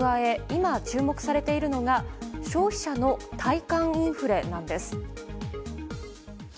今、注目されているのが消費者の体感インフレなんです。